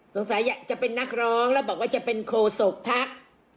สงสัยจะเป็นนักร้องแล้วบอกว่าจะเป็นโคสกพรรค